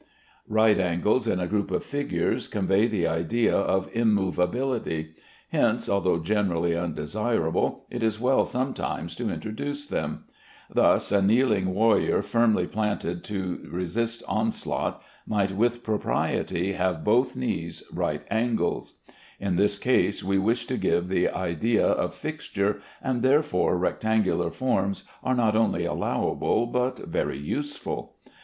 Right angles in a group of figures convey the idea of immovability. Hence, although generally undesirable, it is well sometimes to introduce them. Thus a kneeling warrior firmly planted to resist onslaught might with propriety have both knees right angles. In this case we wish to give the idea of fixture, and therefore rectangular forms are not only allowable but very useful.